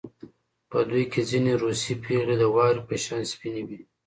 په دوی کې ځینې روسۍ پېغلې د واورې په شان سپینې وې